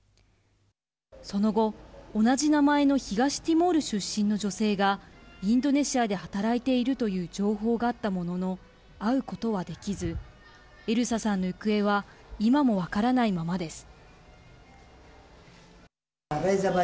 その後、同じ名前の東ティモール出身の女性がインドネシアで働いているという情報があったものの会うことはできずエルサさんの行方は今も分からないままです。